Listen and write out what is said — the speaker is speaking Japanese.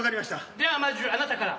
ではまじゅあなたから。